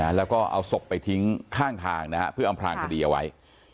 แล้วก็เอาศพไปทิ้งข้างทางนะฮะเพื่ออำพลางคดีเอาไว้